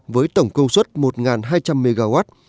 với tổng công suất một hai trăm linh mw